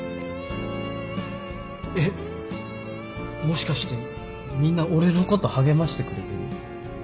えっもしかしてみんな俺のこと励ましてくれてる？